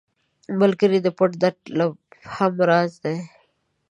ملګری د پټ درد هم راز دی